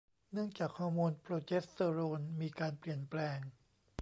เนื่องจากฮอร์โมนโปรเจสเตอโรนมีการเปลี่ยนแปลง